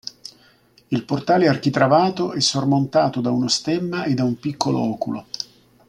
Il portale architravato è sormontato da uno stemma e da un piccolo oculo.